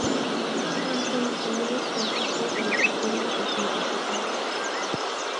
Samson diseño los conceptos de los sistemas del sintetizador digital.